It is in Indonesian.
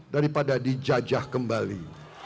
daripada dijajah kembali